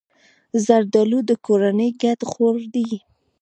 زردالو د کورنۍ ګډ خوړ دی.